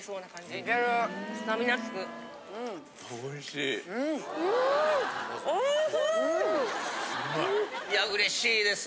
いや嬉しいです。